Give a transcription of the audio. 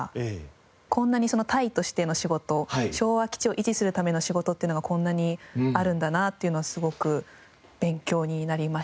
こんなに隊としての仕事昭和基地を維持するための仕事っていうのがこんなにあるんだなっていうのはすごく勉強になりましたね。